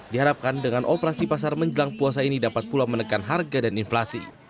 diharapkan dengan operasi pasar menjelang puasa ini dapat pula menekan harga dan inflasi